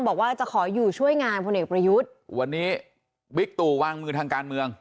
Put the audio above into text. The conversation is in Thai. บอกว่าจะขออยู่ช่วยงานพลเอกประยุทธ์วันนี้บิ๊กตู่วางมือทางการเมือง